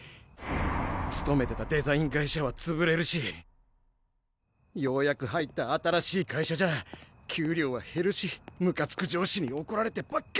勤めてたデザイン会社はつぶれるしようやく入った新しい会社じゃ給料は減るしムカつく上司におこられてばっかだし。